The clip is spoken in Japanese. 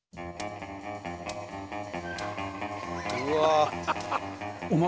うわ！